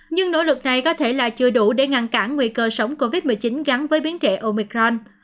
nhưng nỗ lực này có thể là chưa đủ để ngăn cản nguy cơ sống covid một mươi chín gắn với biến trệ omicron